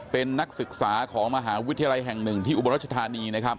เป็นนักศึกษาของมหาวิทยาลัยแห่งหนึ่งที่อุบลรัชธานีนะครับ